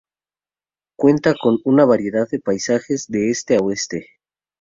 Cuenta con una variedad de paisajes de este a oeste.